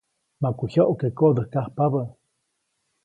Maku jyoʼke koʼdäjkajpabä.